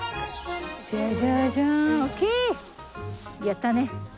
やったね！